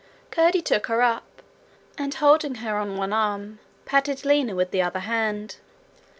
Curdie took her up, and holding her on one arm, patted Lina with the other hand.